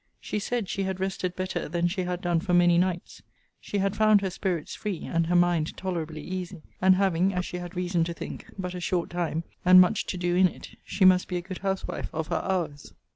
She said, she had rested better than she had done for many nights: she had found her spirits free, and her mind tolerably easy: and having, as she had reason to think, but a short time, and much to do in it, she must be a good housewife of her hours.